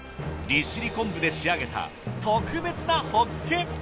利尻昆布で仕上げた特別なホッケ！